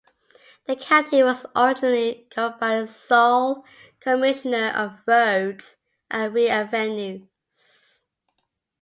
The county was originally governed by a sole Commissioner of Roads and Revenues.